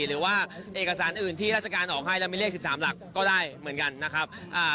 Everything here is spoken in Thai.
หรือว่าเอกสารอื่นที่ราชการออกให้แล้วมีเลข๑๓หลักก็ได้เหมือนกันนะครับ